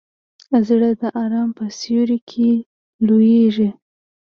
زړه د ارام په سیوري کې لویېږي.